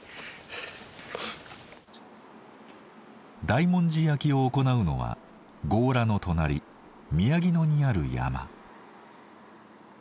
大文字焼きを行うのは強羅の隣宮城野にある山。